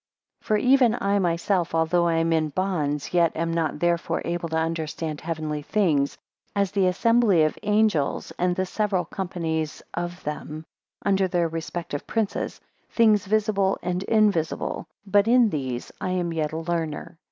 18 For even I myself, although I am in bonds, yet am not therefore able to understand heavenly things; 19 As the assembly of angels, and the several companies of them, under their respective princes; things visible and invisible: but in these I am yet a learner.